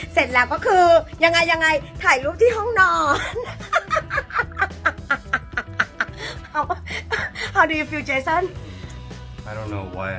เสร็จแล้วก็คือยังไงยังไงถ่ายรูปที่ห้องนอน